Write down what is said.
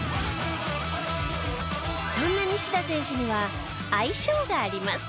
そんな西田選手には愛称があります。